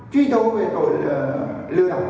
truy tội về tội lừa đồng